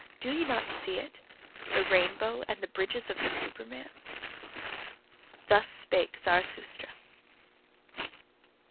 Do ye not see it, the rainbow and the bridges of the Superman? Thus spake Zarathustra.